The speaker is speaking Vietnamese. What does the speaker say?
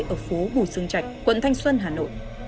ở phố hồ sương trạch quận thanh xuân hà nội